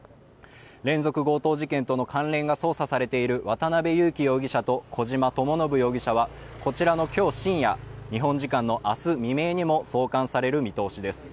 連続強盗事件との関連が捜査されている渡辺優樹容疑者と小島智信容疑者は、こちらの今日深夜の日本時間の明日未明にも送還される見通しです。